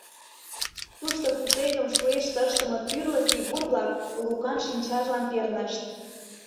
Тушто пушеҥгым шуэшт ыштыме тӱрлӧ фигур-влак Лукан шинчажлан пернышт.